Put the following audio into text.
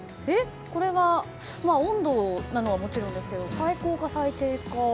これは温度なのはもちろんですけど最高か最低か。